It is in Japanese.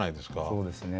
そうですね。